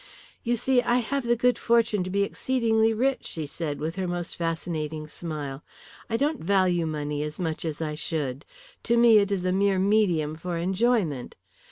"You see, I have the good fortune to be exceedingly rich," she said, with her most fascinating smile. "I don't value money as much as I should. To me it is a mere medium for enjoyment.